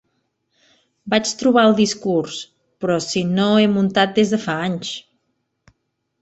Vaig trobar el discurs: "Però si no he muntat des de fa anys".